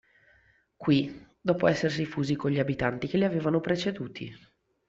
Qui, dopo essersi fusi con gli abitanti che li avevano preceduti.